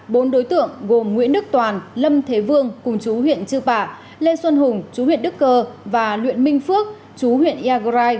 bốn đối tượng gồm nguyễn đức toàn lâm thế vương cùng chú huyện chư pả lê xuân hùng chú huyện đức cơ và luyện minh phước chú huyện iagrai